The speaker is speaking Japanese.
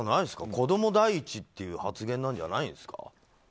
子供第一っていう発言じゃないですか。